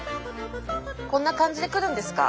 こんな感じで来るんですか？